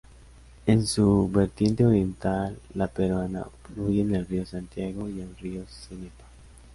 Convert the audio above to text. En su vertiente oriental, la peruana, fluyen el río Santiago y el río Cenepa.